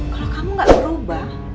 kalau kamu gak berubah